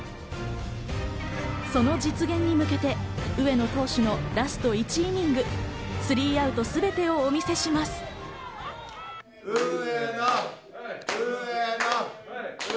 その実現に向けて上野投手のラスト１イニング、３アウト全てをお見せします。